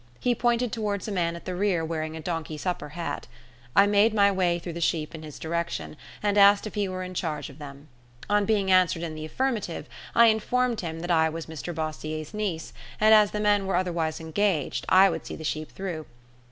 He pointed towards a man at the rear wearing a donkey supper hat. I made my way through the sheep in his direction, and asked if he were in charge of them. On being answered in the affirmative, I informed him that I was Mr Bossier's niece, and, as the men were otherwise engaged, I would see the sheep through.